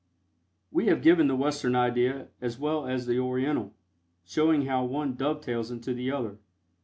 We have given the Western idea as well as the Oriental, showing how one dovetails into the other.